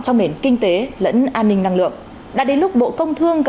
trong mến kinh tế lẫn an ninh năng lượng